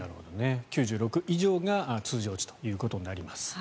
９６以上が通常値ということになります。